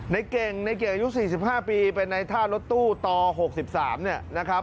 ในเก่งในเก่งอายุ๔๕ปีเป็นในท่ารถตู้ต่อ๖๓เนี่ยนะครับ